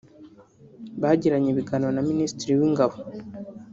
Bagiranye ibiganiro na Minisitiri w’Ingabo